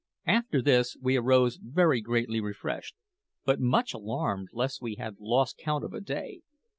After this we arose very greatly refreshed, but much alarmed lest we had lost count of a day.